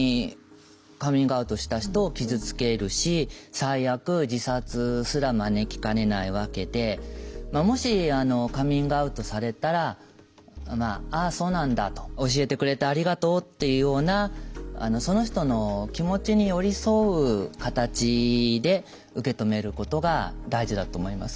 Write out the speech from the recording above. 最悪自殺すら招きかねないわけでもしカミングアウトされたら「ああそうなんだ。教えてくれてありがとう」っていうようなその人の気持ちに寄り添う形で受け止めることが大事だと思います。